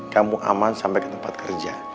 kamu aman sampai ke tempat kerja